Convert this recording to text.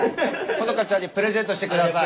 帆香ちゃんにプレゼントして下さい。